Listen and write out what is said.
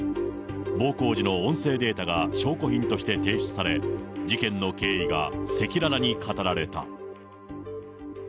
暴行時の音声データが証拠品として提出され、事件の経緯が赤裸々に語られた。